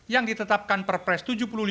yang ditetapkan perpres tujuh puluh lima